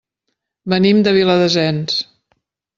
Venim de Viladasens.